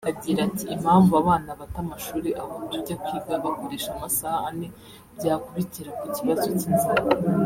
Agira ati “Impamvu abana bata amashuri aho tujya kwiga bakoresha amasaha ane byakubitira ku kibazo cy’inzara